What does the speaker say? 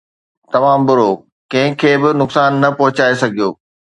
تمام برو! ڪنهن کي به نقصان نه پهچائي سگهيو